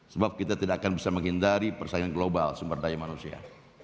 sebab kita tidak akan bisa menghindari persaingan global sumber daya manusia